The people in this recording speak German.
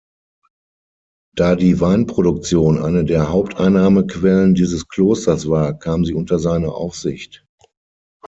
Da die Weinproduktion eine der Haupteinnahmequellen dieses Klosters war, kam sie unter seine Aufsicht.